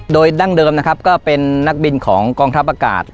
โดยดั้งเดิมนะครับก็เป็นนักบินของกองทัพอากาศ